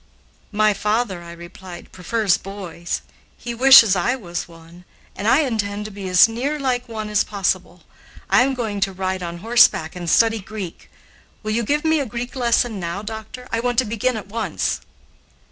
"My father," I replied, "prefers boys; he wishes I was one, and I intend to be as near like one as possible. I am going to ride on horseback and study Greek. Will you give me a Greek lesson now, doctor? I want to begin at once."